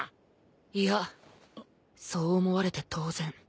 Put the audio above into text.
いやそう思われて当然。